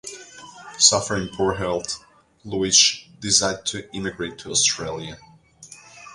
Suffering poor health, Lutwyche decided to immigrate to Australia.